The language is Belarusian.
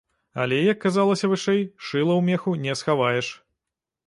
Але, як казалася вышэй, шыла ў меху не схаваеш.